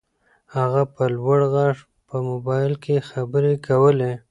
هغه په لوړ غږ په موبایل کې خبرې کولې.